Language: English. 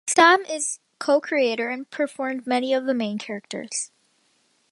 Sam is co-creator and performed many of the main characters.